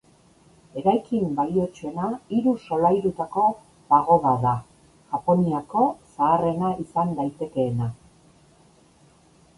Eraikin baliotsuena hiru solairutako pagoda da, Japoniako zaharrena izan daitekeena.